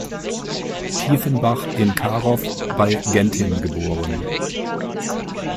Tiefenbach in Karow bei Genthin geboren.